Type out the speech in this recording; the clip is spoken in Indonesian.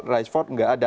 riceford nggak ada